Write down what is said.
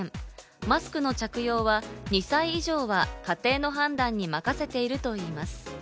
マスクの着用は２歳以上は家庭の判断に任せているといいます。